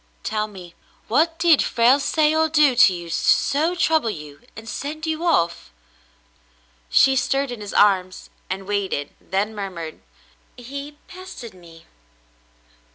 Tell me, what did Frale say or do to you to so trouble you and send you off?" She stirred in his arms and waited, then murmured, "He pestered me."